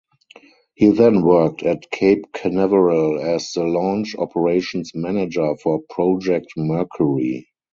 He then worked at Cape Canaveral as the launch operations manager for Project Mercury.